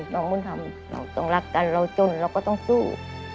ต้องทำเราต้องรักกันเราจนเราก็ต้องสู้